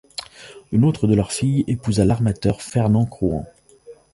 Une autre de leurs filles épousa l'armateur Fernand Crouan.